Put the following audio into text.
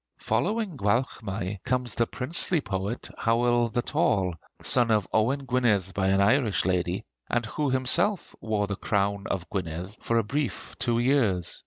Following Gwalchmai comes the princely poet Howel the Tall, son of Owain Gwynedd by an Irish lady, and who himself wore the crown of Gwynedd for a brief two years.